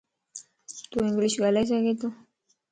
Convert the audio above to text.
تون انگلش ڳالھائي سڳي تو؟